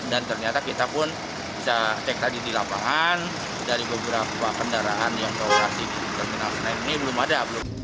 dan ternyata kita pun bisa cek tadi di lapangan dari beberapa kendaraan yang ke orasi terminal senen ini belum ada